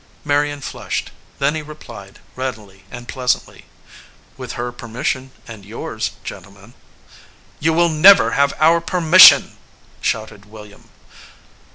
Marion flushed; then he replied readily and pleasantly, "With her permission and yours, gen tlemen." "You will never have our permission!" shouted William.